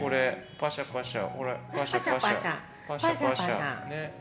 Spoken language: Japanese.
パシャパシャ。